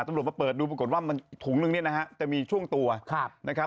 ตำรวจมาเปิดดูปรากฏว่ามันถุงนึงเนี่ยนะฮะจะมีช่วงตัวนะครับ